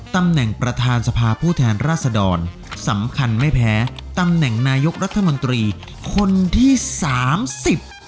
ตำแหน่งประธานสภาผู้แทนราษดรสำคัญไม่แพ้ตำแหน่งนายกรัฐมนตรีคนที่สามสิบ